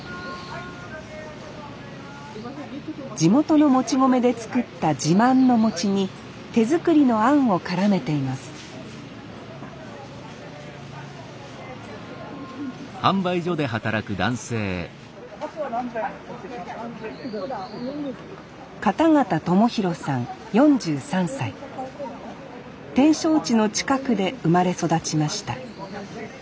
地元のもち米で作った自慢の餅に手作りのあんを絡めています展勝地の近くで生まれ育ちました。